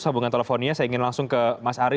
sambungan teleponnya saya ingin langsung ke mas ari